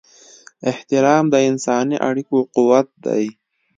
احترام د انساني اړیکو قوت دی.